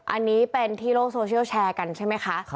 อันนี้เป็นที่โลกโซเชียลแชร์กันใช่ไหมคะ